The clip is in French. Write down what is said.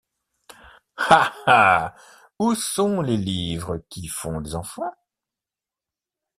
Ha! ha ! où sont les livres qui font des enfans?